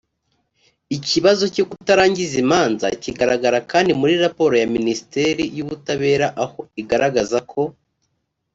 ikibazo cyo kutarangiza imanza kigaragara kandi muri raporo ya minisiteri y ubutabera aho igaragaza ko